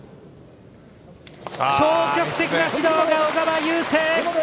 消極的な指導が小川雄勢。